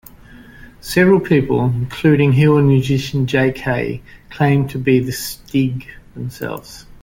Several people, including Hill and musician Jay Kay, claimed to be the Stig themselves.